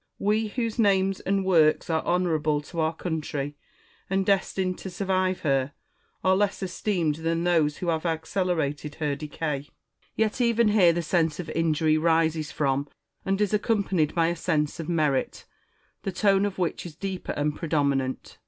We whose names and works are honourable to our country, and destined to survive her, are less esteemed than those who have accelerated her decay ; 340 IMA GIN A R Y CON VERS A TIONS. yet even here the sense of injury rises from and is accompanied by a sense of merit, the tone of which is deeper and predominant.